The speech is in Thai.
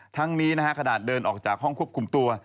ทั้งนี้นะฮะขนาดเดินออกจากห้องควบคุมตัว